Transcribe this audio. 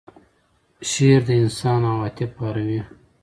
شعر د انسان عواطف پاروي.